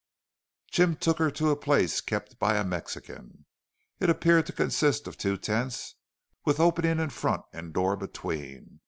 Jim took her to a place kept by a Mexican. It appeared to consist of two tents, with opening in front and door between.